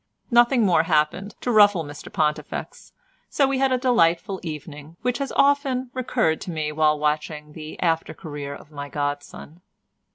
Nothing more happened to ruffle Mr Pontifex, so we had a delightful evening, which has often recurred to me while watching the after career of my godson.